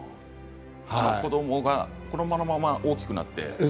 子どものまま大きくなって。